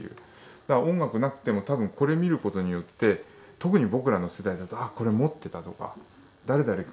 だから音楽がなくてもこれを見る事によって特に僕らの世代だと「これ持ってた」とか「誰々君ちにあった」